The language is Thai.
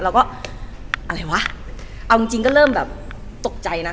แล้วก็อะไรวะเอาจริงจริงก็เริ่มแบบตกใจนะ